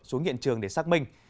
xuống hiện trường để xác minh